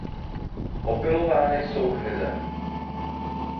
Opylovány jsou hmyzem.